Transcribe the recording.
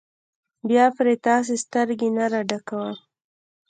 بیا پرې تاسې سترګې نه راډکوم.